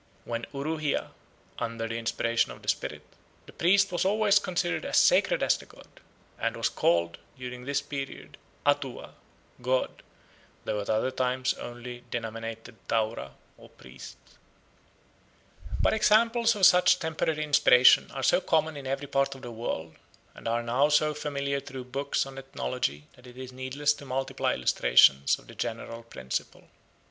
. When uruhia (under the inspiration of the spirit), the priest was always considered as sacred as the god, and was called, during this period, atua, god, though at other times only denominated taura or priest." But examples of such temporary inspiration are so common in every part of the world and are now so familiar through books on ethnology that it is needless to multiply illustrations of the general principle.